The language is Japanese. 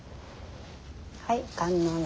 はい。